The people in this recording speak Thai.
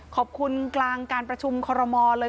ขอบคุณกลางการประชุมคอรมอด้วย